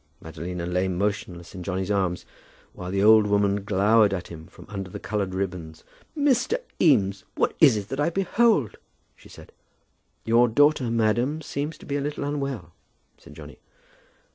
Madalina lay motionless in Johnny's arms, while the old woman glowered at him from under the coloured ribbons. "Mr. Eames, what is it that I behold?" she said. [Illustration: "What is it that I behold?"] "Your daughter, madam, seems to be a little unwell," said Johnny.